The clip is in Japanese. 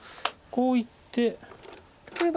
こういって。